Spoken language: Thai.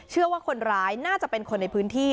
เชื่อว่าคนร้ายน่าจะเป็นคนในพื้นที่